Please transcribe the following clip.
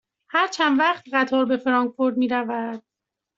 هر چند وقت قطار به فرانکفورت می رود؟